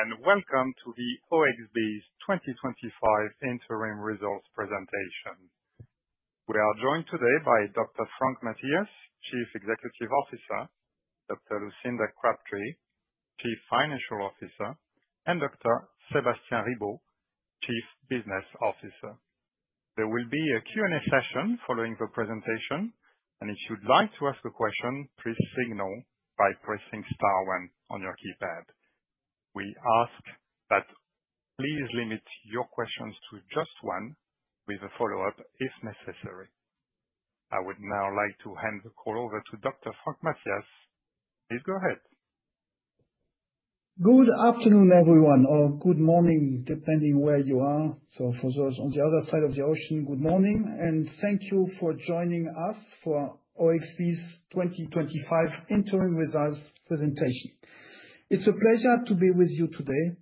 Hello, and Welcome to the OXB's 2025 Interim Results Presentation. We are joined today by Dr. Frank Mathias, Chief Executive Officer; Dr. Lucinda Crabtree, Chief Financial Officer; and Dr. Sébastien Ribault, Chief Business Officer. There will be a Q&A session following the presentation, and if you'd like to ask a question, please signal by pressing star one on your keypad. We ask that please limit your questions to just one, with a follow-up if necessary. I would now like to hand the call over to Dr. Frank Mathias. Please go ahead. Good afternoon, everyone, or good morning, depending where you are. So for those on the other side of the ocean, good morning, and thank you for joining us for OXB's 2025 Interim Results Presentation. It's a pleasure to be with you today,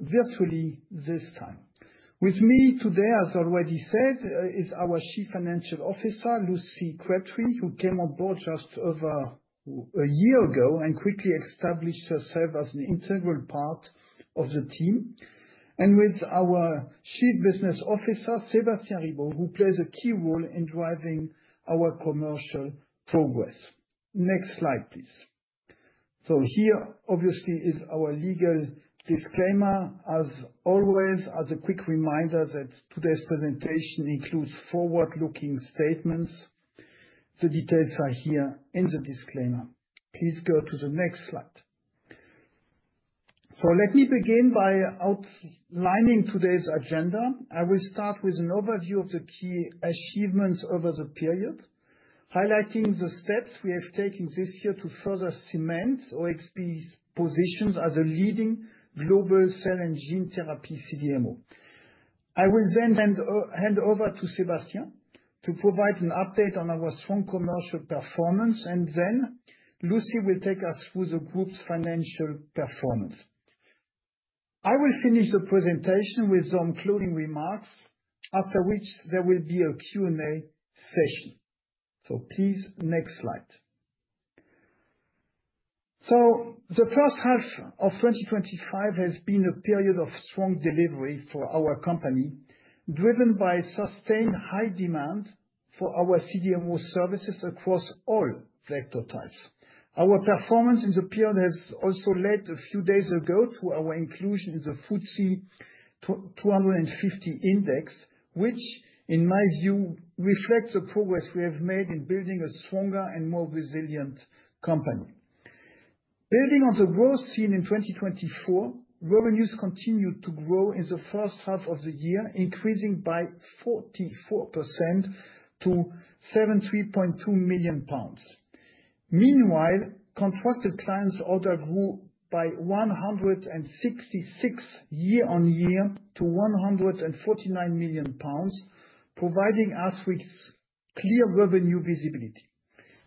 virtually this time. With me today, as already said, is our Chief Financial Officer, Lucy Crabtree, who came on board just over a year ago and quickly established herself as an integral part of the team, and with our Chief Business Officer, Sébastien Ribault, who plays a key role in driving our commercial progress. Next slide, please. So here, obviously, is our legal disclaimer. As always, as a quick reminder, that today's presentation includes forward-looking statements. The details are here in the disclaimer. Please go to the next slide. So let me begin by outlining today's agenda. I will start with an overview of the key achievements over the period, highlighting the steps we have taken this year to further cement OXB's positions as a leading global cell and gene therapy CDMO. I will then hand over to Sébastien to provide an update on our strong commercial performance, and then Lucy will take us through the group's financial performance. I will finish the presentation with some closing remarks, after which there will be a Q&A session. Please, next slide. The first half of 2025 has been a period of strong delivery for our company, driven by sustained high demand for our CDMO services across all sector types. Our performance in the period has also led, a few days ago, to our inclusion in the FTSE 250 index, which, in my view, reflects the progress we have made in building a stronger and more resilient company. Building on the growth seen in 2024, revenues continued to grow in the first half of the year, increasing by 44% to 73.2 million pounds. Meanwhile, contracted clients' orders grew by 166% year-on-year to 149 million pounds, providing us with clear revenue visibility.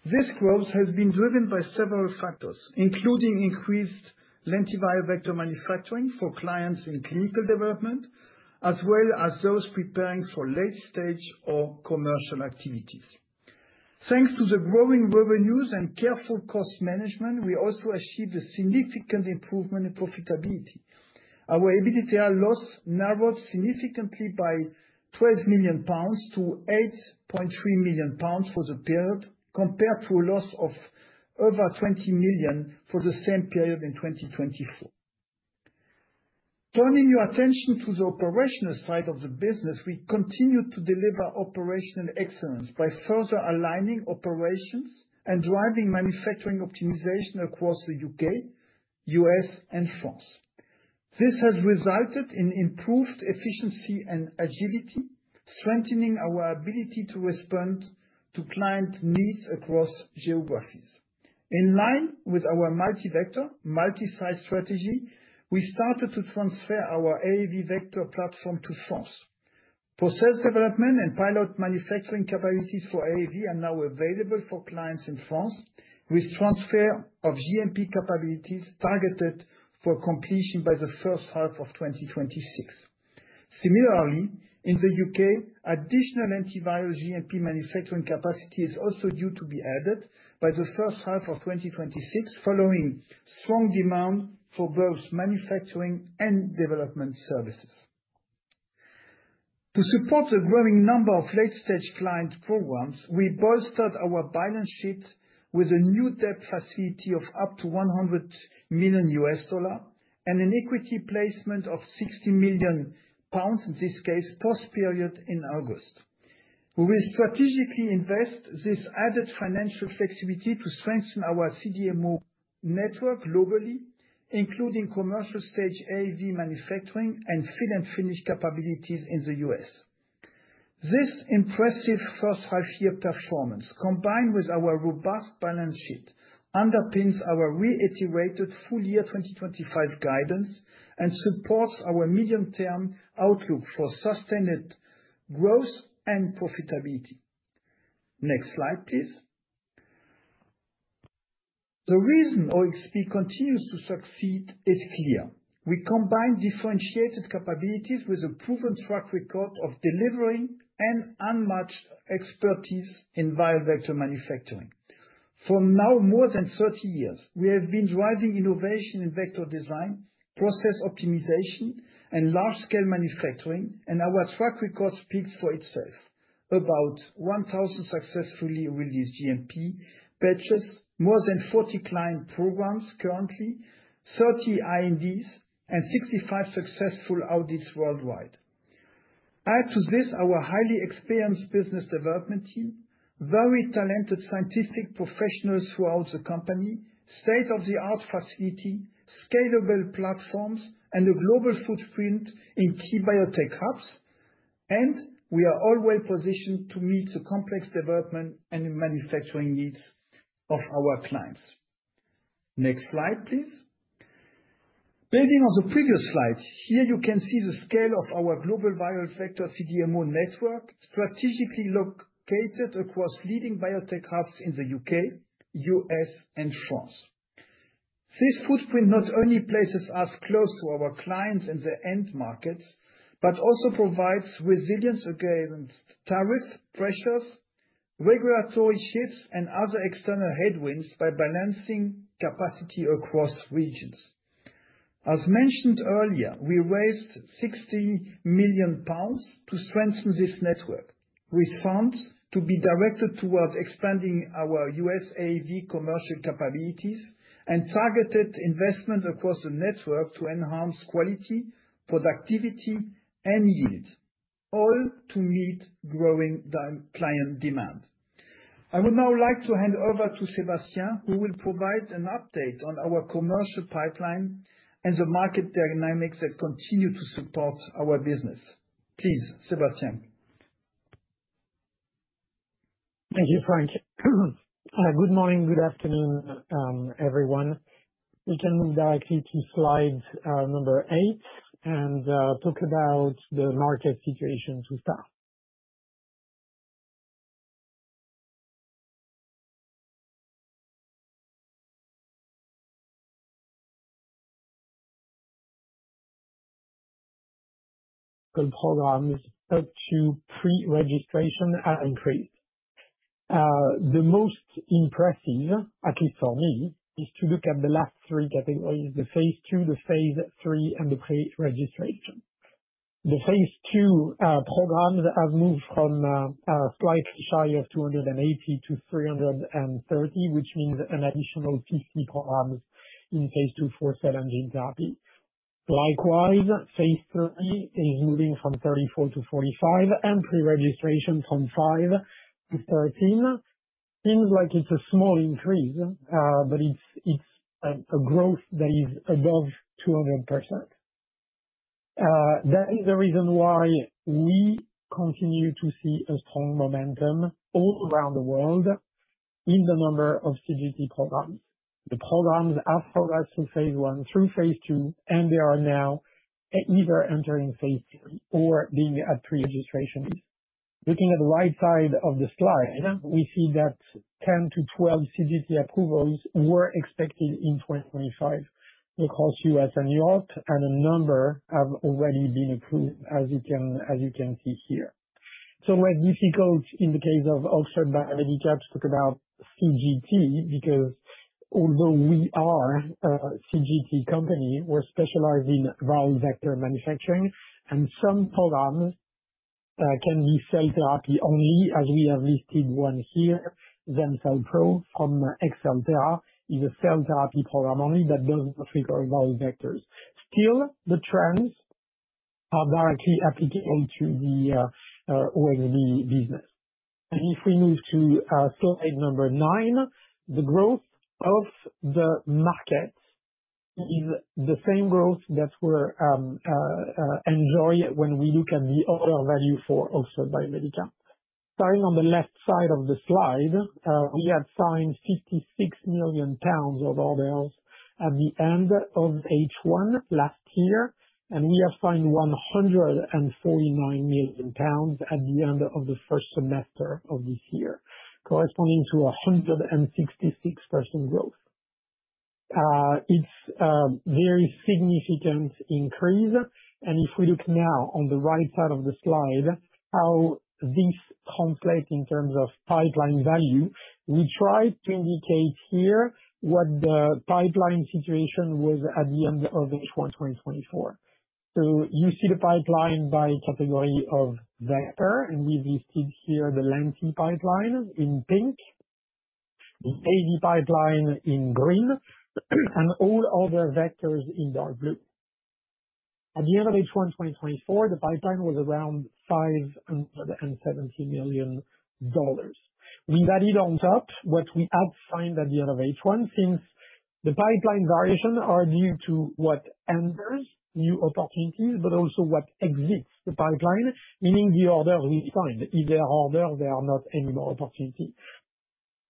This growth has been driven by several factors, including increased lentiviral vector manufacturing for clients in clinical development, as well as those preparing for late-stage or commercial activities. Thanks to the growing revenues and careful cost management, we also achieved a significant improvement in profitability. Our EBITDA loss narrowed significantly by 12 million pounds to 8.3 million pounds for the period, compared to a loss of over 20 million for the same period in 2024. Turning your attention to the operational side of the business, we continue to deliver operational excellence by further aligning operations and driving manufacturing optimization across the U.K., U.S., and France. This has resulted in improved efficiency and agility, strengthening our ability to respond to client needs across geographies. In line with our multi-vector, multi-size strategy, we started to transfer our AAV vector platform to France. For sales development and pilot manufacturing capabilities for AAV are now available for clients in France, with transfer of GMP capabilities targeted for completion by the first half of 2026. Similarly, in the U.K., additional lentiviral GMP manufacturing capacity is also due to be added by the first half of 2026, following strong demand for both manufacturing and development services. To support the growing number of late-stage client programs, we bolstered our balance sheet with a new debt facility of up to GBP 100 million and an equity placement of 60 million pounds, in this case, post-period in August. We will strategically invest this added financial flexibility to strengthen our CDMO network globally, including commercial-stage AAV manufacturing and fill-and-finish capabilities in the U.S. This impressive first half-year performance, combined with our robust balance sheet, underpins our reiterated full-year 2025 guidance and supports our medium-term outlook for sustained growth and profitability. Next slide, please. The reason OXB continues to succeed is clear. We combine differentiated capabilities with a proven track record of delivering an unmatched expertise in viral vector manufacturing. For more than 30 years, we have been driving innovation in vector design, process optimization, and large-scale manufacturing, and our track record speaks for itself. About 1,000 successfully released GMP batches, more than 40 client programs currently, 30 INDs, and 65 successful audits worldwide. Add to this our highly experienced business development team, very talented scientific professionals throughout the company, state-of-the-art facility, scalable platforms, and a global footprint in key biotech hubs, and we are all well-positioned to meet the complex development and manufacturing needs of our clients. Next slide, please. Building on the previous slide, here you can see the scale of our global viral vector CDMO network, strategically located across leading biotech hubs in the U.K., U.S., and France. This footprint not only places us close to our clients and their end markets, but also provides resilience against tariff pressures, regulatory shifts, and other external headwinds by balancing capacity across regions. As mentioned earlier, we raised 60 million pounds to strengthen this network, with funds to be directed towards expanding our U.S. AAV commercial capabilities and targeted investment across the network to enhance quality, productivity, and yield, all to meet growing client demand. I would now like to hand over to Sébastien, who will provide an update on our commercial pipeline and the market dynamics that continue to support our business. Please, Sébastien. Thank you, Frank. Good morning, good afternoon, everyone. We can move directly to slide number eight and talk about the market situation to start. The program is up to pre-registration and increase. The most impressive, at least for me, is to look at the last three categories: the Phase 2, the Phase 3, and the pre-registration. The Phase 2 programs have moved from just shy of 280-330, which means an additional 50 programs in Phase 2 for cell and gene therapy. Likewise, Phase 3 is moving from 34-45, and pre-registration from five to 13. Seems like it's a small increase, but it's a growth that is above 200%. That is the reason why we continue to see a strong momentum all around the world in the number of CGT programs. The programs have progressed from Phase 1 through Phase 2, and they are now either entering Phase 3 or being at pre-registrations. Looking at the right side of the slide, we see that 10 12 CGT approvals were expected in 2025 across the U.S. and Europe, and a number have already been approved, as you can see here. It's always difficult in the case of Oxford Biomedica to talk about CGT because, although we are a CGT company, we're specialized in viral vector manufacturing, and some programs can be cell therapy only, as we have listed one here, ZanCell from ExCellThera, is a cell therapy program only that does not require viral vectors. Still, the trends are directly applicable to the OXB business. If we move to slide number nine, the growth of the market is the same growth that we enjoy when we look at the order value for Oxford Biomedica. Starting on the left side of the slide, we have signed 56 million pounds of orders at the end of H1 last year, and we have signed 149 million pounds at the end of the first semester of this year, corresponding to a 166% growth. It's a very significant increase, and if we look now on the right side of the slide, how this translates in terms of pipeline value, we try to indicate here what the pipeline situation was at the end of H1 2024. You see the pipeline by category of vector, and we've listed here the lenti pipeline in pink, the AAV pipeline in green, and all other vectors in dark blue. At the end of H1 2024, the pipeline was around $570 million. We valued on top what we had signed at the end of H1, since the pipeline variations are due to what enters, new opportunities, but also what exits the pipeline, meaning the orders we signed. If there are orders, there are not any more opportunities.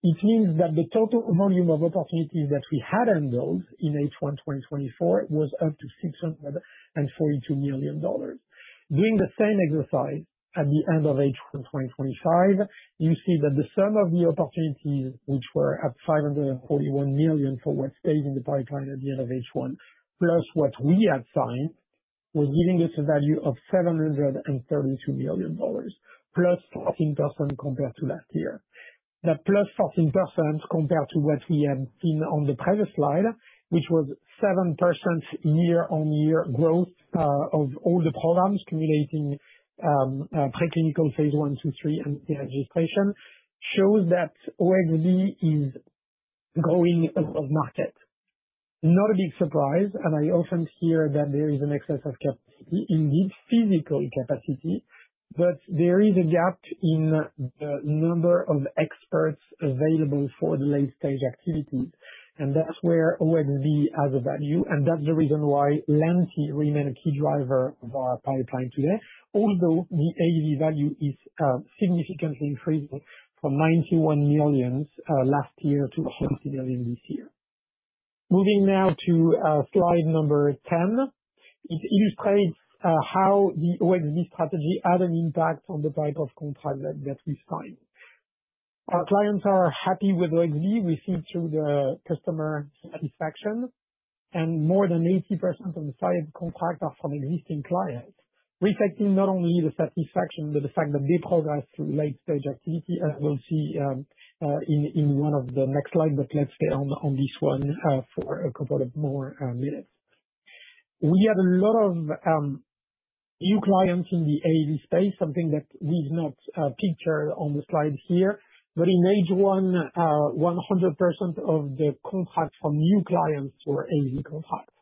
It means that the total volume of opportunities that we had in H1 2024 was up to $642 million. Doing the same exercise at the end of H1 2025, you see that the sum of the opportunities, which were at $541 million for what stays in the pipeline at the end of H1, plus what we had signed, was giving us a value of $732 million, plus 14% compared to last year. That plus 14% compared to what we have seen on the previous slide, which was 7% year-on-year growth of all the programs cumulating preclinical Phase 1, two, three, and pre-registration, shows that OXB is growing a lot of market. Not a big surprise, and I often hear that there is an excess of capacity, indeed physical capacity, but there is a gap in the number of experts available for the late-stage activities, and that's where OXB has a value, and that's the reason why lenti remains a key driver of our pipeline today, although the AAV value is significantly increasing from £91 million last year to £140 million this year. Moving now to slide number 10, it illustrates how the OXB strategy had an impact on the type of contract that we signed. Our clients are happy with OXB. We see through the customer satisfaction, and more than 80% of the size of contract are from existing clients, reflecting not only the satisfaction, but the fact that they progress through late-stage activity, as we'll see in one of the next slides, but let's stay on this one for a couple of more minutes. We have a lot of new clients in the AAV space, something that we've not pictured on the slide here, but in H1, 100% of the contract from new clients were AAV contracts.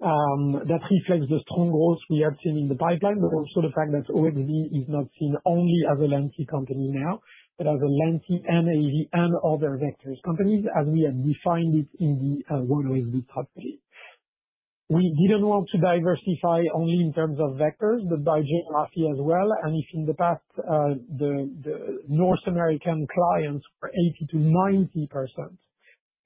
That reflects the strong growth we have seen in the pipeline, but also the fact that OXB is not seen only as a lenti company now, but as a lenti and AAV and other vectors companies, as we have defined it in the One OXB strategy. We didn't want to diversify only in terms of vectors, but by geography as well, and if in the past the North America clients were 80%-90%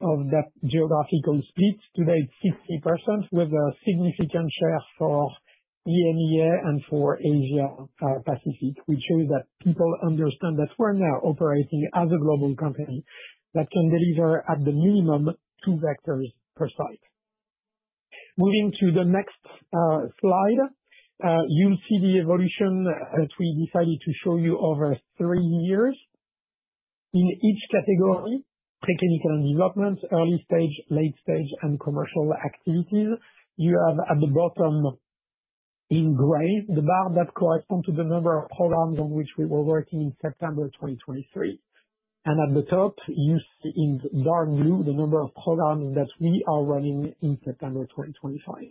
of that geographical split, today it's 60% with a significant share for EMEA and for Asia-Pacific. We chose that people understand that we're now operating as a global company that can deliver at the minimum two vectors per site. Moving to the next slide, you'll see the evolution that we decided to show you over three years. In each category, preclinical and development, early stage, late stage, and commercial activities, you have at the bottom in gray the bar that corresponds to the number of programs on which we were working in September 2023, and at the top, you see in dark blue the number of programs that we are running in September 2025.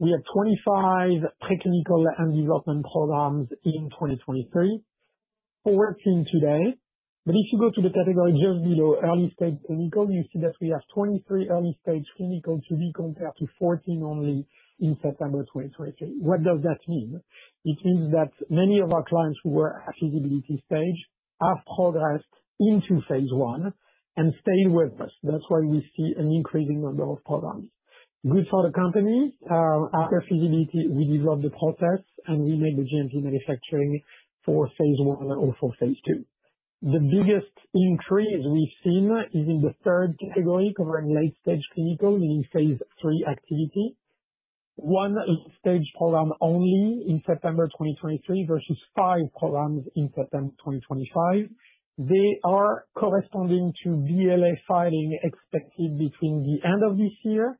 We have 25 preclinical and development programs in 2023 now working today, but if you go to the category just below early stage clinical, you see that we have 23 early stage clinical to be compared to 14 only in September 2023. What does that mean? It means that many of our clients who were at feasibility stage have progressed into Phase 1 and stayed with us. That's why we see an increasing number of programs. Good for the company. After feasibility, we develop the process and we make the GMP manufacturing for Phase 1 or for Phase 2. The biggest increase we've seen is in the third category, covering late-stage clinical, meaning Phase 3 activity. One stage program only in September 2023 versus five programs in September 2025. They are corresponding to BLA filing expected between the end of this year,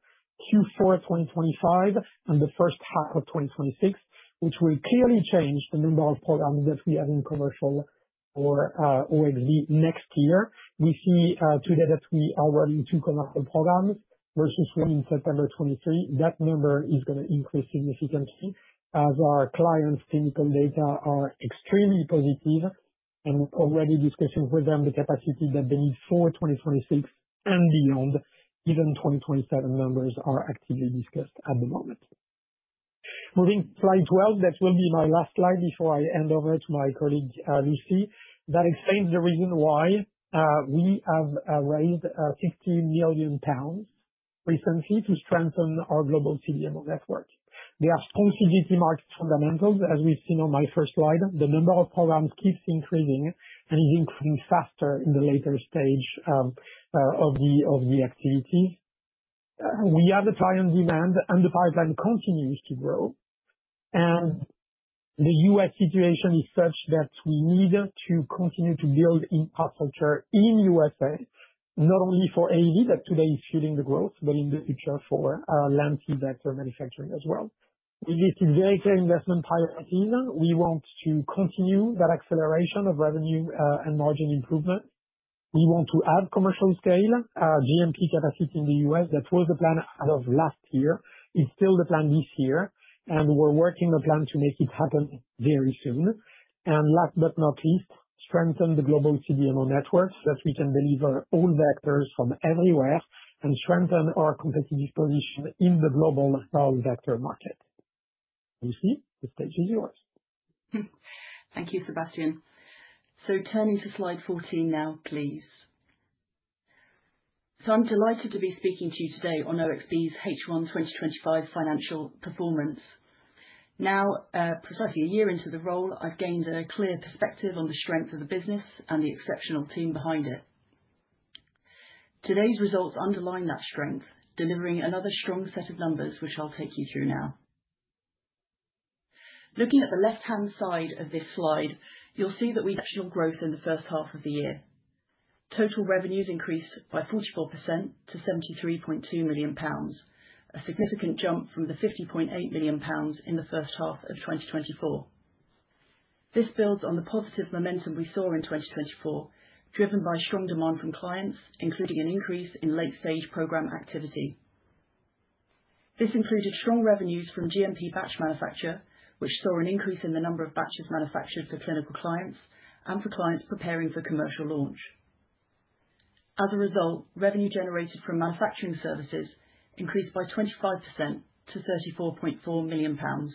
Q4 2025, and the first half of 2026, which will clearly change the number of programs that we have in commercial for OXB next year. We see today that we are running two commercial programs versus one in September 2023. That number is going to increase significantly as our clients' clinical data are extremely positive, and we're already discussing with them the capacity that they need for 2026 and beyond. Even 2027 numbers are actively discussed at the moment. Moving to Slide 12, that will be my last slide before I hand over to my colleague Lucy. That explains the reason why we have raised £60 million recently to strengthen our global CDMO network. They are strong CGT market fundamentals, as we've seen on my first slide. The number of programs keeps increasing and is increasing faster in the later stage of the activity. We have a client demand, and the pipeline continues to grow. The U.S. situation is such that we need to continue to build infrastructure in the U.S.A., not only for AAV that today is feeding the growth, but in the future for lentiviral vector manufacturing as well. We listed very clear investment priorities. We want to continue that acceleration of revenue and margin improvement. We want to add commercial scale, GMP capacity in the U.S. that was the plan as of last year. It's still the plan this year, and we're working on a plan to make it happen very soon. Last but not least, strengthen the global CDMO network so that we can deliver all vectors from everywhere and strengthen our competitive position in the global viral vector market. Lucy, the stage is yours. Thank you, Sébastien. So turning to Slide 14 now, please. So I'm delighted to be speaking to you today on OXB's H1 2025 financial performance. Now, precisely a year into the role, I've gained a clear perspective on the strength of the business and the exceptional team behind it. Today's results underline that strength, delivering another strong set of numbers, which I'll take you through now. Looking at the left-hand side of this slide, you'll see that we had exceptional growth in the first half of the year. Total revenues increased by 44% to 73.2 million pounds, a significant jump from the 50.8 million pounds in the first half of 2024. This builds on the positive momentum we saw in 2024, driven by strong demand from clients, including an increase in late-stage program activity. This included strong revenues from GMP batch manufacture, which saw an increase in the number of batches manufactured for clinical clients and for clients preparing for commercial launch. As a result, revenue generated from manufacturing services increased by 25% to 34.4 million pounds.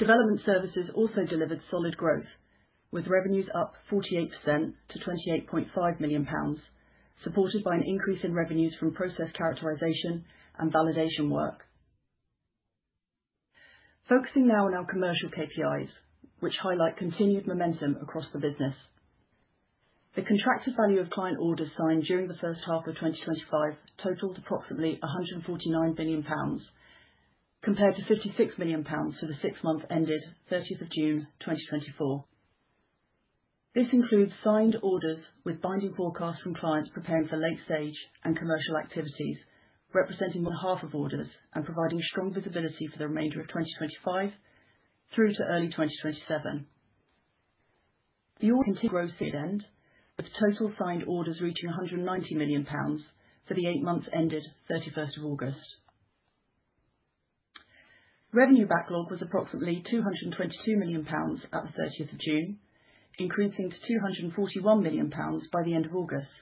Development services also delivered solid growth, with revenues up 48% to 28.5 million pounds, supported by an increase in revenues from process characterization and validation work. Focusing now on our commercial KPIs, which highlight continued momentum across the business. The contracted value of client orders signed during the first half of 2025 totaled approximately 149 million pounds, compared to 56 million pounds for the six-month ended 30th of June 2024. This includes signed orders with binding forecasts from clients preparing for late-stage and commercial activities, representing more than half of orders and providing strong visibility for the remainder of 2025 through to early 2027. The order continued to grow at the end, with total signed orders reaching £190 million for the eight months ended 31st of August 2024. Revenue backlog was approximately £222 million at the 30th of June 2024, increasing to £241 million by the end of August.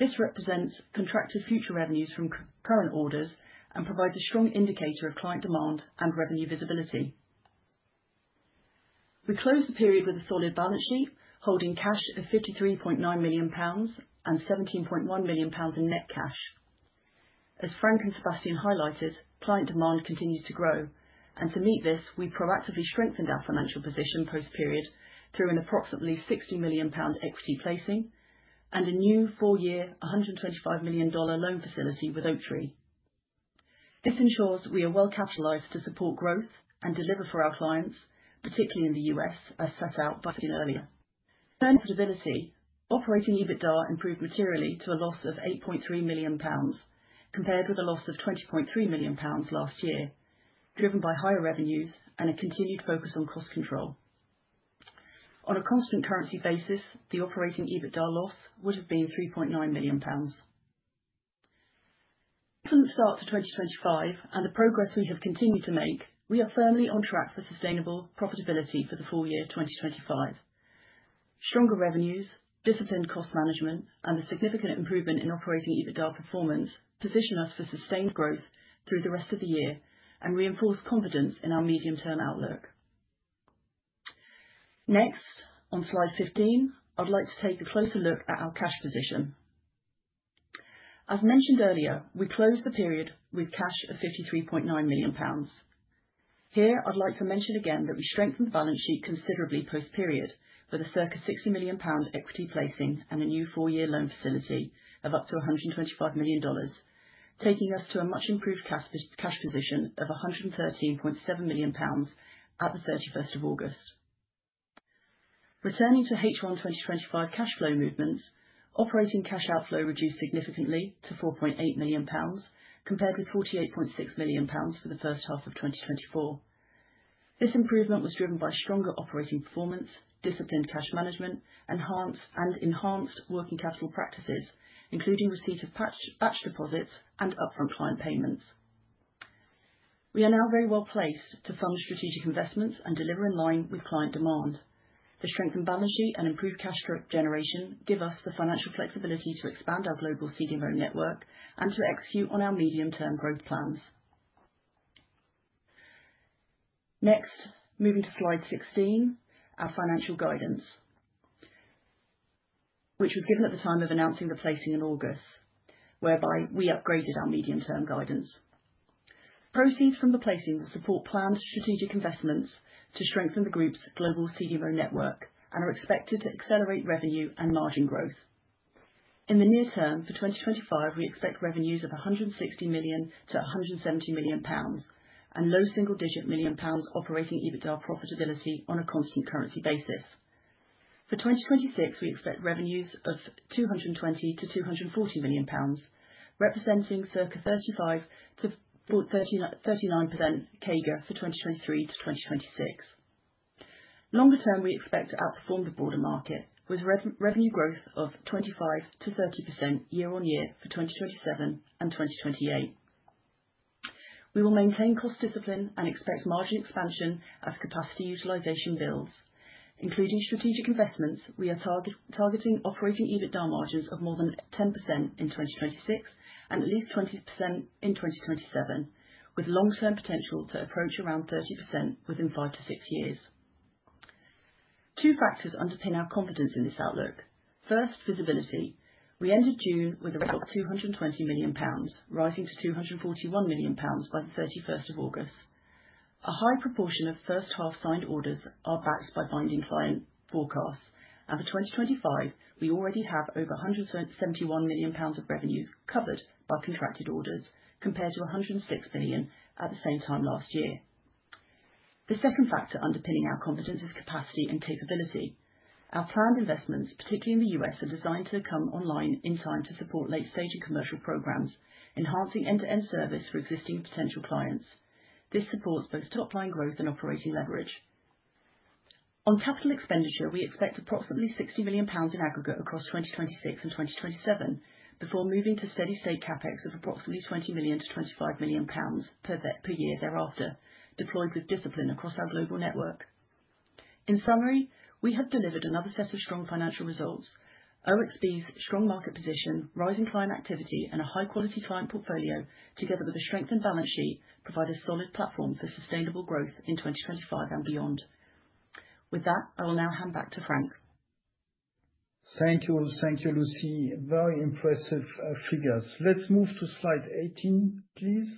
This represents contracted future revenues from current orders and provides a strong indicator of client demand and revenue visibility. We closed the period with a solid balance sheet, holding cash of £53.9 million and £17.1 million in net cash. As Frank and Sébastien highlighted, client demand continues to grow, and to meet this, we proactively strengthened our financial position post-period through an approximately £60 million equity placing and a new four-year $125 million loan facility with Oaktree. This ensures we are well capitalized to support growth and deliver for our clients, particularly in the U.S., as set out by Sébastien earlier. In terms of profitability, operating EBITDA improved materially to a loss of £8.3 million compared with a loss of £20.3 million last year, driven by higher revenues and a continued focus on cost control. On a constant currency basis, the operating EBITDA loss would have been £3.9 million. Excellent start to 2025, and the progress we have continued to make. We are firmly on track for sustainable profitability for the full year 2025. Stronger revenues, disciplined cost management, and the significant improvement in operating EBITDA performance position us for sustained growth through the rest of the year and reinforce confidence in our medium-term outlook. Next, on Slide 15, I'd like to take a closer look at our cash position. As mentioned earlier, we closed the period with cash of £53.9 million. Here, I'd like to mention again that we strengthened the balance sheet considerably post-period with a circa 60 million pound equity placing and a new four-year loan facility of up to $125 million, taking us to a much improved cash position of 113.7 million pounds at the 31st of August 2024. Returning to H1 2025 cash flow movements, operating cash outflow reduced significantly to 4.8 million pounds compared with 48.6 million pounds for the first half of 2024. This improvement was driven by stronger operating performance, disciplined cash management, and enhanced working capital practices, including receipt of batch deposits and upfront client payments. We are now very well placed to fund strategic investments and deliver in line with client demand. The strengthened balance sheet and improved cash generation give us the financial flexibility to expand our global CDMO network and to execute on our medium-term growth plans. Next, moving to slide 16, our financial guidance, which was given at the time of announcing the placing in August, whereby we upgraded our medium-term guidance. Proceeds from the placing will support planned strategic investments to strengthen the group's global CDMO network and are expected to accelerate revenue and margin growth. In the near term for 2025, we expect revenues of GBP 160xmillion-GBP 170 million and low single-digit million pounds operating EBITDA profitability on a constant currency basis. For 2026, we expect revenues of 220 million-240 million pounds, representing circa 35%-39% CAGR for 2023 to 2026. Longer term, we expect to outperform the broader market, with revenue growth of 25%-30% year-on-year for 2027 and 2028. We will maintain cost discipline and expect margin expansion as capacity utilization builds. Including strategic investments, we are targeting operating EBITDA margins of more than 10% in 2026 and at least 20% in 2027, with long-term potential to approach around 30% within five to six years. Two factors underpin our confidence in this outlook. First, visibility. We ended June with a record 220 million pounds, rising to 241 million pounds by the 31st of August 2024. A high proportion of first-half signed orders are backed by binding client forecasts, and for 2025, we already have over GBP 171 million of revenue covered by contracted orders, compared to GBP 106 million at the same time last year. The second factor underpinning our confidence is capacity and capability. Our planned investments, particularly in the U.S., are designed to come online in time to support late-stage and commercial programs, enhancing end-to-end service for existing potential clients. This supports both top-line growth and operating leverage. On capital expenditure, we expect approximately 60 million pounds in aggregate across 2026 and 2027 before moving to steady-state CapEx of approximately 20 million-25 million pounds per year thereafter, deployed with discipline across our global network. In summary, we have delivered another set of strong financial results. OXB's strong market position, rising client activity, and a high-quality client portfolio, together with a strengthened balance sheet, provide a solid platform for sustainable growth in 2025 and beyond. With that, I will now hand back to Frank. Thank you. Thank you, Lucy. Very impressive figures. Let's move to Slide 18, please,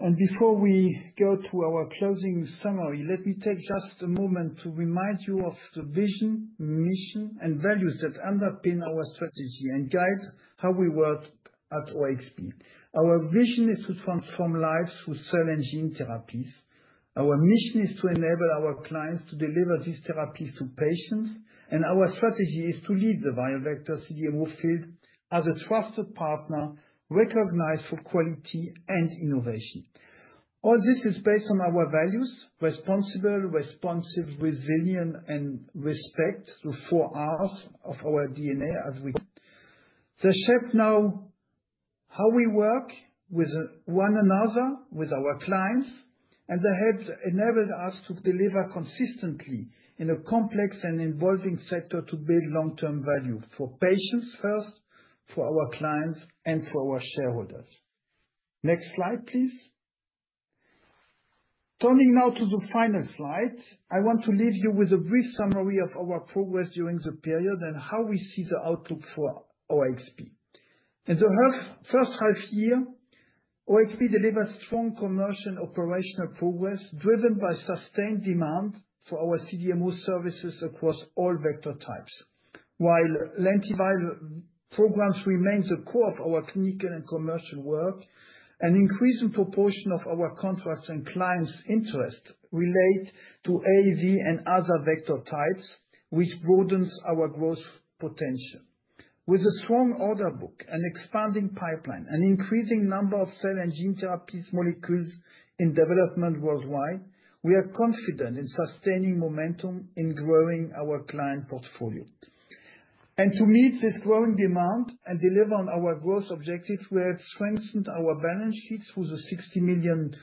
and before we go to our closing summary, let me take just a moment to remind you of the vision, mission, and values that underpin our strategy and guide how we work at OXB. Our vision is to transform lives through cell and gene therapies. Our mission is to enable our clients to deliver these therapies to patients, and our strategy is to lead the viral vector CDMO field as a trusted partner recognized for quality and innovation. All this is based on our values, responsible, responsive, resilient, and respect through four Rs of our DNA. They shape how we work with one another, with our clients, and they have enabled us to deliver consistently in a complex and evolving sector to build long-term value for patients first, for our clients, and for our shareholders. Next slide, please. Turning now to the final slide, I want to leave you with a brief summary of our progress during the period and how we see the outlook for OXB. In the first half year, OXB delivered strong commercial operational progress driven by sustained demand for our CDMO services across all vector types. While lenti programs make the core of our clinical and commercial work, an increase in proportion of our contracts and clients' interest relates to AAV and other vector types, which broadens our growth potential. With a strong order book, an expanding pipeline, and an increasing number of cell and gene therapy molecules in development worldwide, we are confident in sustaining momentum in growing our client portfolio. And to meet this growing demand and deliver on our growth objectives, we have strengthened our balance sheet through the 60 million pound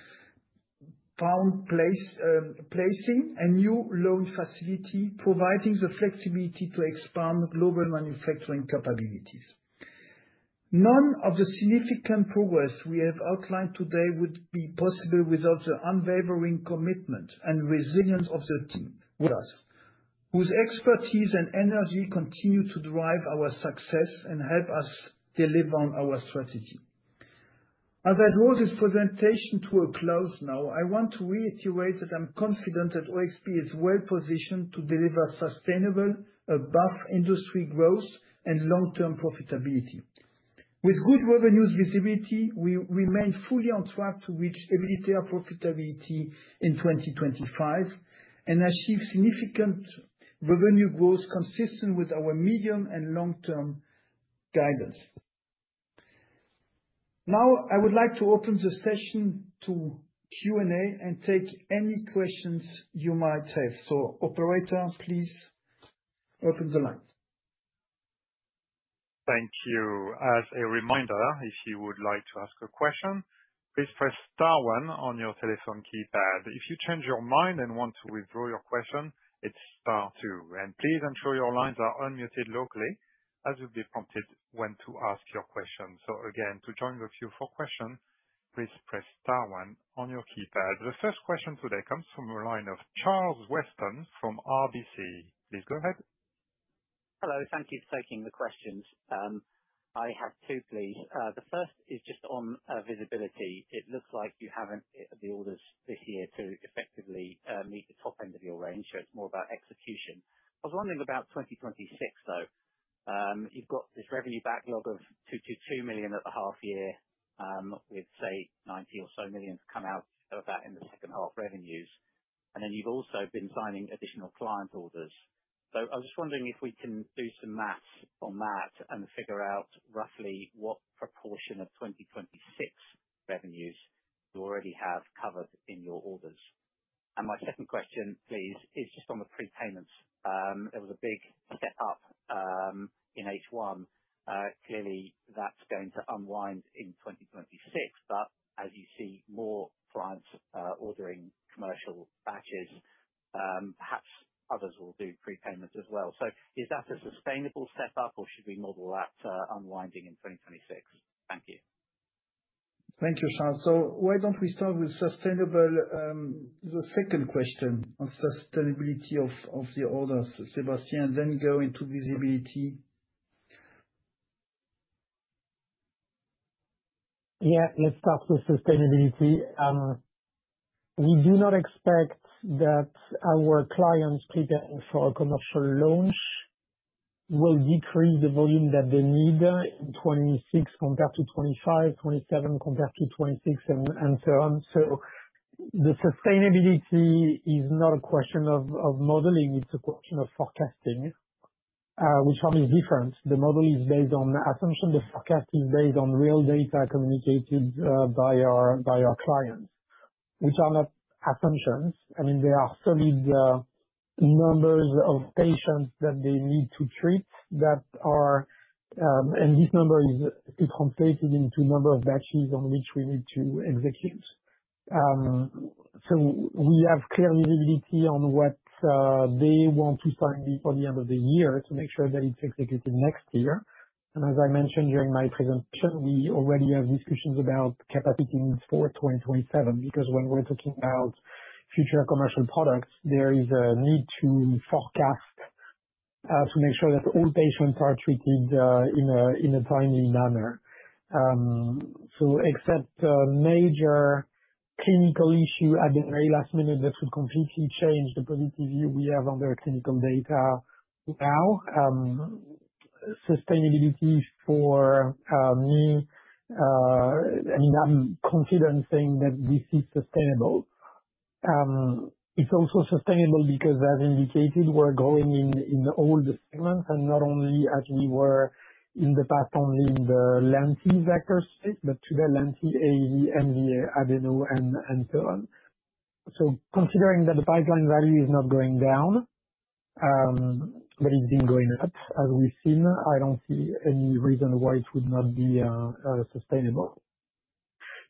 placing and new loan facility, providing the flexibility to expand global manufacturing capabilities. None of the significant progress we have outlined today would be possible without the unwavering commitment and resilience of the team with us, whose expertise and energy continue to drive our success and help us deliver on our strategy. As I close this presentation to a close now, I want to reiterate that I'm confident that OXB is well positioned to deliver sustainable above industry growth and long-term profitability. With good revenue visibility, we remain fully on track to achieve profitability in 2025 and achieve significant revenue growth consistent with our medium and long-term guidance. Now, I would like to open the session to Q&A and take any questions you might have. Operator, please open the line. Thank you. As a reminder, if you would like to ask a question, please press star one on your telephone keypad. If you change your mind and want to withdraw your question, it's star two. And please ensure your lines are unmuted locally as you'll be prompted when to ask your question. So again, to join the queue for questions, please press star one on your keypad. The first question today comes from a line of Charles Weston from RBC. Please go ahead. Hello. Thank you for taking the questions. I have two, please. The first is just on visibility. It looks like you haven't hit the orders this year to effectively meet the top end of your range, so it's more about execution. I was wondering about 2026, though. You've got this revenue backlog of 222 million at the half year, with, say, 90 or so million to come out of that in the second half revenues. And then you've also been signing additional client orders. So I was just wondering if we can do some math on that and figure out roughly what proportion of 2026 revenues you already have covered in your orders. And my second question, please, is just on the prepayments. There was a big step up in H1. Clearly, that's going to unwind in 2026, but as you see more clients ordering commercial batches, perhaps others will do prepayments as well. So is that a sustainable step up, or should we model that unwinding in 2026? Thank you. Thank you, Charles. So why don't we start with sustainability? The second question on sustainability of the orders, Sébastien, then go into visibility. Yeah, let's start with sustainability. We do not expect that our clients preparing for a commercial launch will decrease the volume that they need in 2026 compared to 2025, 2027 compared to 2026, and so on. So the sustainability is not a question of modeling. It's a question of forecasting, which is different. The model is based on assumption. The forecast is based on real data communicated by our clients, which are not assumptions. I mean, they are solid numbers of patients that they need to treat that are, and this number is translated into the number of batches on which we need to execute. So we have clear visibility on what they want to sign before the end of the year to make sure that it's executed next year. And as I mentioned during my presentation, we already have discussions about capacity needs for 2027 because when we're talking about future commercial products, there is a need to forecast to make sure that all patients are treated in a timely manner. So, except a major clinical issue at the very last minute that would completely change the positive view we have on the clinical data now, sustainability for me, I mean, I'm confident saying that this is sustainable. It's also sustainable because, as indicated, we're growing in all the segments and not only as we were in the past only in the lenti vector space, but today lenti, AAV, MVA, Adeno, and so on. So considering that the pipeline value is not going down, but it's been going up as we've seen, I don't see any reason why it would not be sustainable.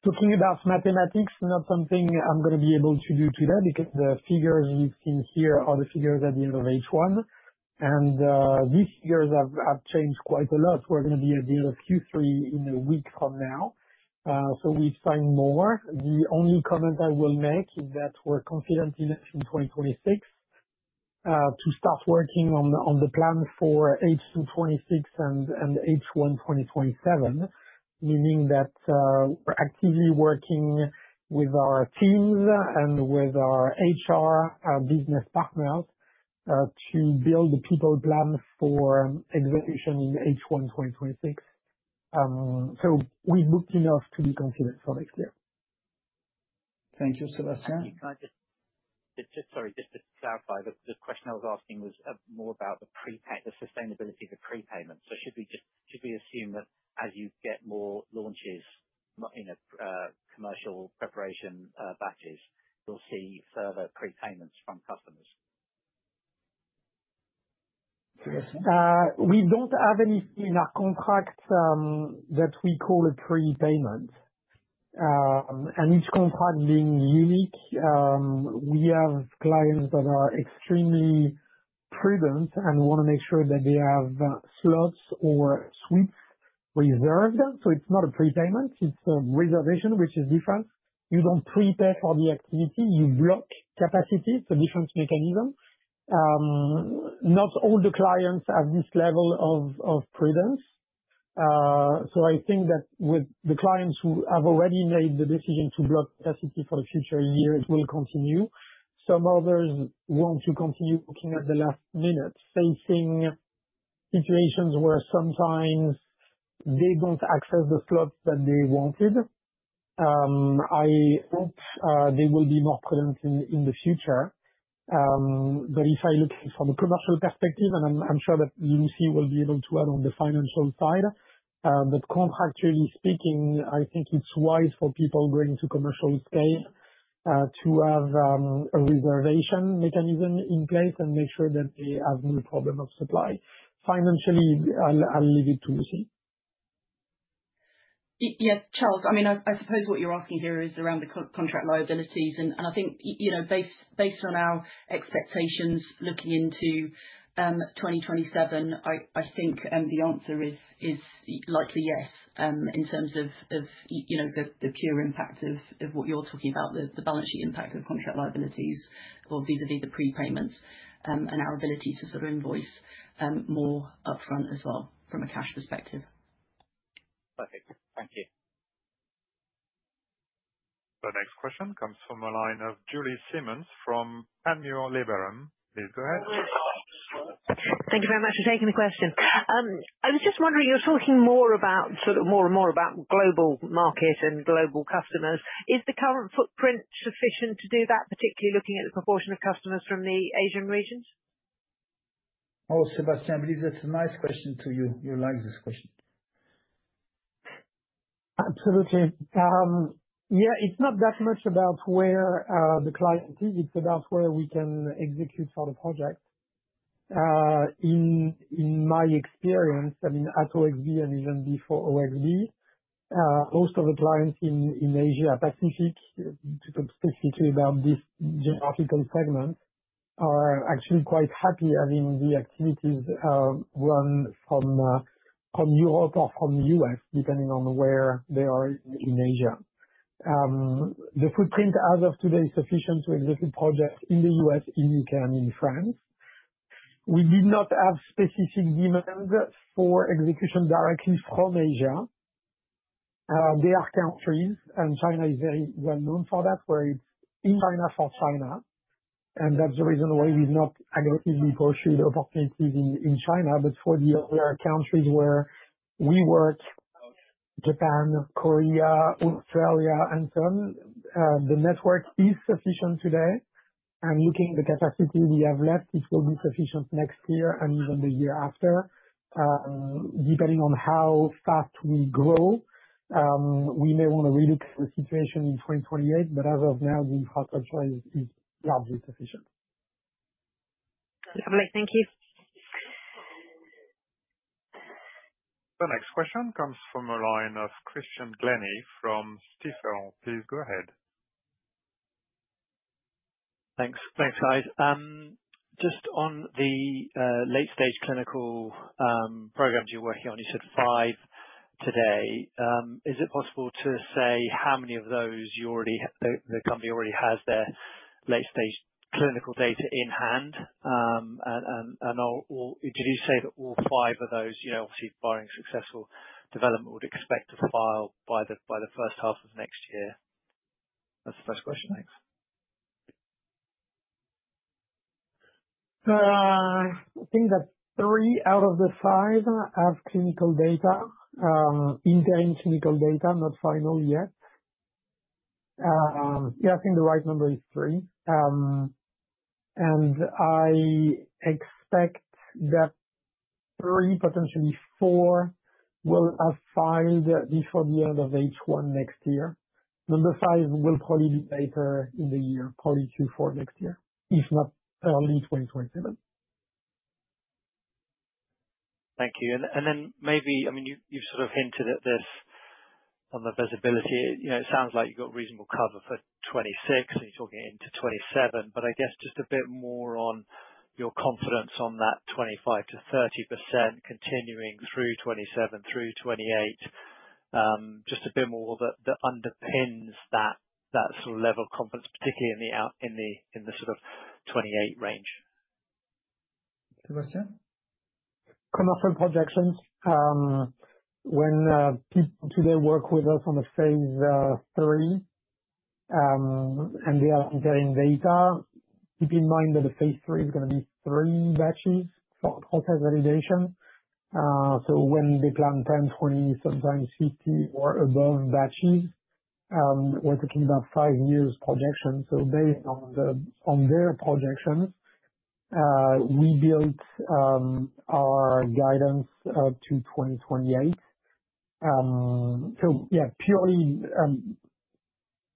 Talking about mathematics, not something I'm going to be able to do today because the figures you've seen here are the figures at the end of H1, and these figures have changed quite a lot. We're going to be at the end of Q3 in a week from now, so we've signed more. The only comment I will make is that we're confident in 2026 to start working on the plan for H2 2026 and H1 2027, meaning that we're actively working with our teams and with our HR business partners to build the people plan for execution in H1 2026, so we've booked enough to be confident for next year. Thank you, Sébastien. Sorry, just to clarify, the question I was asking was more about the sustainability of the prepayments. So should we assume that as you get more launches in commercial preparation batches, you'll see further prepayments from customers? We don't have anything in our contract that we call a prepayment, and each contract being unique, we have clients that are extremely prudent and want to make sure that they have slots or suites reserved, so it's not a prepayment. It's a reservation, which is different. You don't prepay for the activity. You block capacity. It's a different mechanism. Not all the clients have this level of prudence, so I think that with the clients who have already made the decision to block capacity for the future year, it will continue. Some others want to continue looking at the last minute, facing situations where sometimes they don't access the slots that they wanted. I hope they will be more prudent in the future. But if I look from a commercial perspective, and I'm sure that Lucy will be able to add on the financial side, but contractually speaking, I think it's wise for people going to commercial space to have a reservation mechanism in place and make sure that they have no problem of supply. Financially, I'll leave it to Lucy. Yes, Charles. I mean, I suppose what you're asking here is around the contract liabilities. And I think based on our expectations looking into 2027, I think the answer is likely yes in terms of the pure impact of what you're talking about, the balance sheet impact of contract liabilities, or vis-à-vis the prepayments and our ability to sort of invoice more upfront as well from a cash perspective. Perfect. Thank you. The next question comes from a line of Julie Simmonds from Panmure Liberum. Please go ahead. Thank you very much for taking the question. I was just wondering, you're talking more and more about global market and global customers. Is the current footprint sufficient to do that, particularly looking at the proportion of customers from the Asian regions? Oh, Sébastien, I believe that's a nice question to you. You'll like this question. Absolutely. Yeah, it's not that much about where the client is. It's about where we can execute for the project. In my experience, I mean, at OXB and even before OXB, most of the clients in Asia-Pacific, specifically about this geographical segment, are actually quite happy having the activities run from Europe or from the U.S., depending on where they are in Asia. The footprint as of today is sufficient to execute projects in the U.S., in the U.K., and in France. We did not have specific demands for execution directly from Asia. There are countries, and China is very well known for that, where it's in China for China, and that's the reason why we've not aggressively pursued opportunities in China, but for the other countries where we work, Japan, Korea, Australia, and so on, the network is sufficient today. Looking at the capacity we have left, it will be sufficient next year and even the year after. Depending on how fast we grow, we may want to relook at the situation in 2028, but as of now, the infrastructure is largely sufficient. Lovely. Thank you. The next question comes from a line of Christian Glennie from Stifel. Please go ahead. Thanks. Thanks, guys. Just on the late-stage clinical programs you're working on, you said five today. Is it possible to say how many of those the company already has their late-stage clinical data in hand? And did you say that all five of those, obviously barring successful development, would expect to file by the first half of next year? That's the first question. Thanks. I think that three out of the five have clinical data, in-day clinical data, not final yet. Yeah, I think the right number is three, and I expect that three, potentially four, will have filed before the end of H1 next year. Number five will probably be later in the year, probably Q4 next year, if not early 2027. Thank you. And then maybe, I mean, you've sort of hinted at this on the visibility. It sounds like you've got reasonable cover for 2026, and you're talking into 2027. But I guess just a bit more on your confidence on that 25%-30% continuing through 2027, through 2028, just a bit more that underpins that sort of level of confidence, particularly in the sort of 2028 range. Sébastien? Commercial projections. When people today work with us on a Phase 3, and they are entering data, keep in mind that the Phase 3 is going to be three batches for process validation. So when they plan 10, 20, sometimes 50 or above batches, we're talking about five years projection. So based on their projections, we built our guidance to 2028. So yeah, purely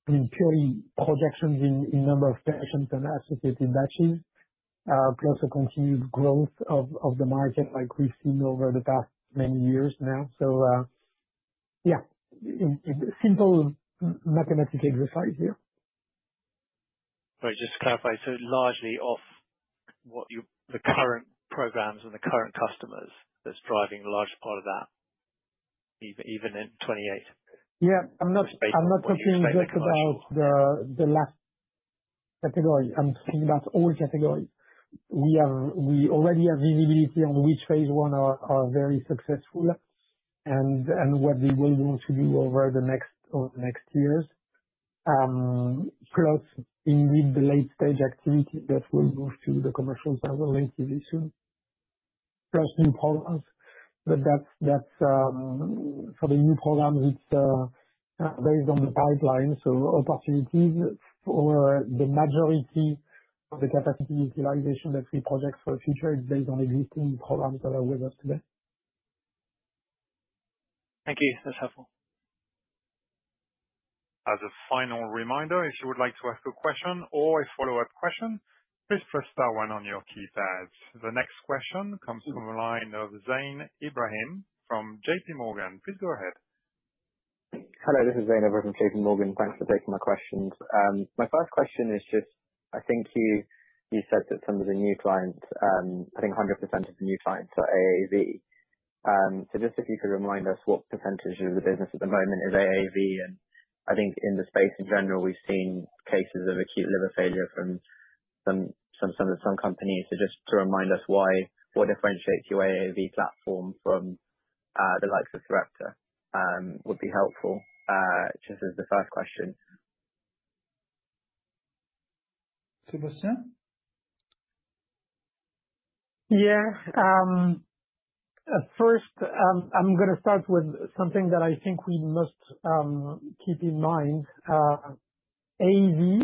projections in number of patients and associated batches, plus a continued growth of the market like we've seen over the past many years now. So yeah, simple mathematical exercise here. Just to clarify, largely off the current programs and the current customers that's driving the largest part of that, even in 2028? Yeah. I'm not talking just about the last category. I'm talking about all categories. We already have visibility on which Phase 1 are very successful and what they will want to do over the next years, plus indeed the late-stage activity that will move to the commercials relatively soon, plus new programs. But for the new programs, it's based on the pipeline. So opportunities for the majority of the capacity utilization that we project for the future is based on existing programs that are with us today. Thank you. That's helpful. As a final reminder, if you would like to ask a question or a follow-up question, please press star one on your keypad. The next question comes from a line of Zain Ebrahim from J.P. Morgan. Please go ahead. Hello. This is Zain Ebrahim from J.P. Morgan. Thanks for taking my questions. My first question is just, I think you said that some of the new clients, I think 100% of the new clients are AAV. So just if you could remind us what percentage of the business at the moment is AAV. And I think in the space in general, we've seen cases of acute liver failure from some companies. So just to remind us what differentiates your AAV platform from the likes of Sarepta would be helpful just as the first question. Sébastien? Yeah. First, I'm going to start with something that I think we must keep in mind. AAV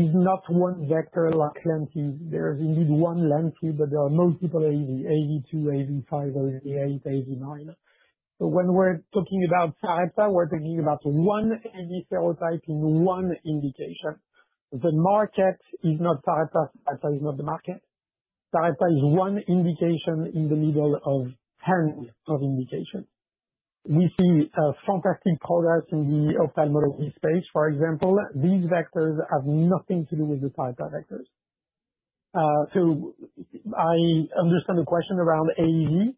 is not one vector like lenti. There is indeed one lenti, but there are multiple AAV: AAV2, AAV5, AAV8, AAV9. So when we're talking about Theraptor, we're talking about one AAV serotype in one indication. The market is not Theraptor. Theraptor is not the market. Theraptor is one indication in the middle of 10 of indications. We see fantastic progress in the ophthalmology space. For example, these vectors have nothing to do with the Theraptor vectors. So I understand the question around AAV.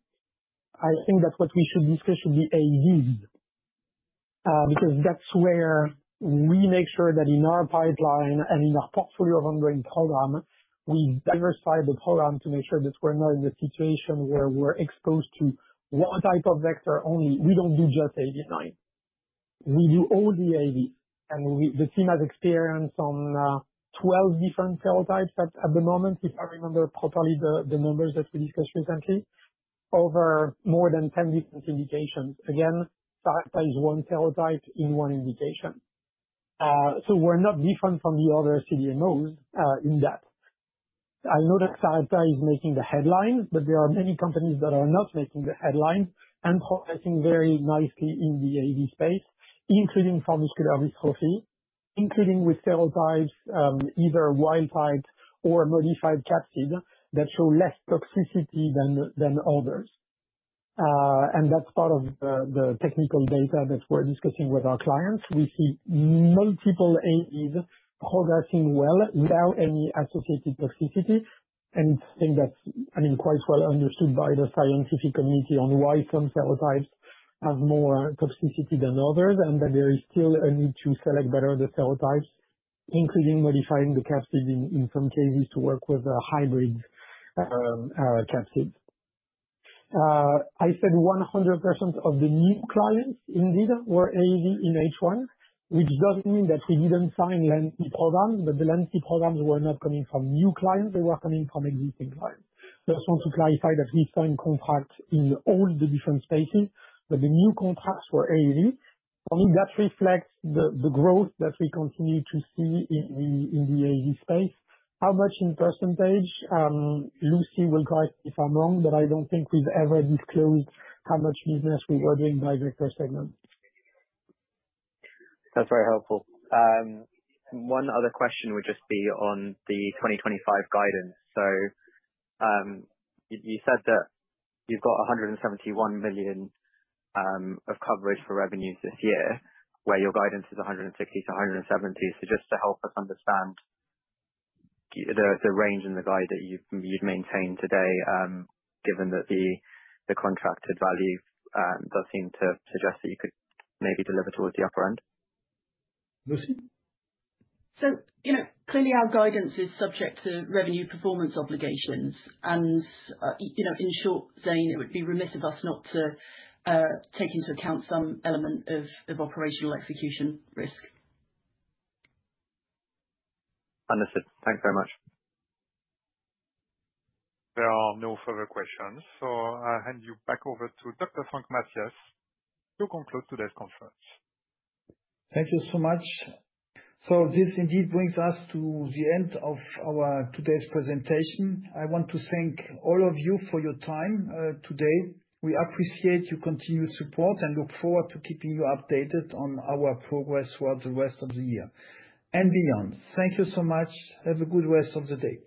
I think that what we should discuss should be AAV because that's where we make sure that in our pipeline and in our portfolio of ongoing program, we diversify the program to make sure that we're not in a situation where we're exposed to one type of vector only. We don't do just AAV9. We do only AAV. And the team has experience on 12 different serotypes at the moment, if I remember properly the numbers that we discussed recently, over more than 10 different indications. Again, Theraptor is one serotype in one indication. So we're not different from the other CDMOs in that. I know that Theraptor is making the headlines, but there are many companies that are not making the headlines and progressing very nicely in the AAV space, including for muscular dystrophy, including with serotypes, either wild type or modified capsid that show less toxicity than others. And that's part of the technical data that we're discussing with our clients. We see multiple AAVs progressing well without any associated toxicity. I think that's, I mean, quite well understood by the scientific community on why some serotypes have more toxicity than others and that there is still a need to select better the serotypes, including modifying the capsid in some cases to work with hybrid capsids. I said 100% of the new clients indeed were AAV in H1, which doesn't mean that we didn't sign lenti programs, but the lenti programs were not coming from new clients. They were coming from existing clients. Just want to clarify that we signed contracts in all the different spaces, but the new contracts were AAV. I mean, that reflects the growth that we continue to see in the AAV space. How much in percentage? Lucy will correct me if I'm wrong, but I don't think we've ever disclosed how much business we were doing by vector segment. That's very helpful. One other question would just be on the 2025 guidance. So you said that you've got 171 million of coverage for revenues this year, where your guidance is 160 milion-GBP 170 million. So just to help us understand the range in the guide that you'd maintain today, given that the contracted value does seem to suggest that you could maybe deliver towards the upper end. Lucy? Clearly, our guidance is subject to revenue performance obligations. In short, Zain, it would be remiss of us not to take into account some element of operational execution risk. Understood. Thanks very much. There are no further questions. So I hand you back over to Dr. Frank Mathias to conclude today's conference. Thank you so much. So this indeed brings us to the end of our today's presentation. I want to thank all of you for your time today. We appreciate your continued support and look forward to keeping you updated on our progress throughout the rest of the year and beyond. Thank you so much. Have a good rest of the day.